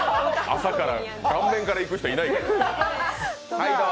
朝から顔面からいく人いないよ。